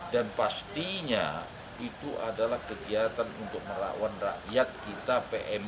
dan pastinya itu adalah kegiatan untuk merawat rakyat kita pmi